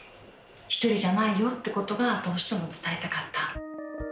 １人じゃないよってことがどうしても伝えたかった。